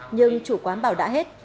nhưng chủ quán bảo đã hết